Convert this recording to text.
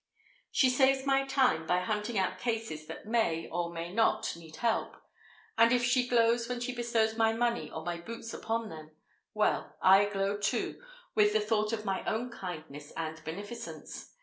She saves my time by hunting out cases that may, or may not, need help; and if she glows when she bestows my money or my boots upon them—well, I glow too, with the thought of my own kindness and beneficence.